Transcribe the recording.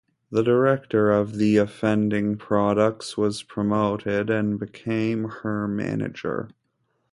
The director of the offending products was promoted and became her manager.